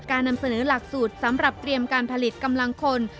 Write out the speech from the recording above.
นำเสนอหลักสูตรสำหรับเตรียมการผลิตกำลังคน